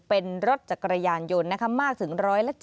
เป็นรถจักรยานยนต์มากถึง๑๗๐